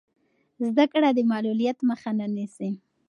زده کړه د معلولیت مخه نه نیسي.